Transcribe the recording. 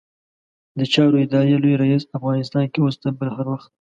د چارو ادارې لوی رئيس؛ افغانستان کې اوس تر بل هر وخت